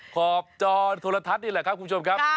ขอบจอโทรทัศน์นี่แหละครับคุณผู้ชมครับ